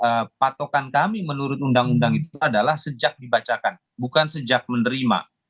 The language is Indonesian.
nah patokan kami menurut undang undang itu adalah sejak dibacakan bukan sejak menerima